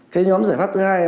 cái nhóm giải pháp thứ hai